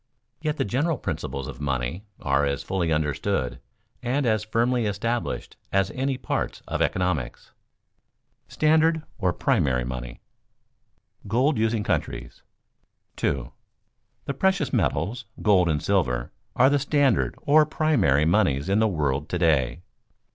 Yet the general principles of money are as fully understood and as firmly established as any parts of economics. [Sidenote: Standard, or primary, money] [Sidenote: Gold using countries] 2. _The precious metals, gold and silver, are the standard, or primary, moneys in the world to day.